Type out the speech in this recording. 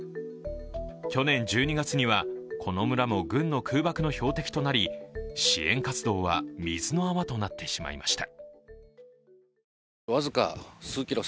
去年１２月には、この村も軍の空爆の標的となり、支援活動は水の泡となってしまいました。